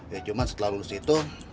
ya cuma setelah lulus itu